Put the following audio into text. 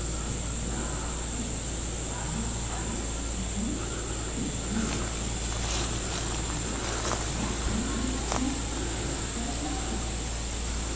" Well, I guess Gran 'pa's better," she mur mured; " he looked reel bright when he was set tin' up; 'n' he conterdicted me jest es peart an' sassy.